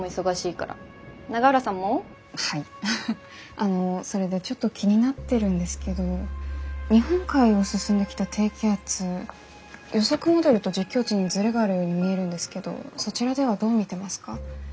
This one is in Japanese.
あのそれでちょっと気になってるんですけど日本海を進んできた低気圧予測モデルと実況値にズレがあるように見えるんですけどそちらではどう見てますか？